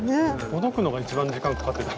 ほどくのが一番時間かかってた。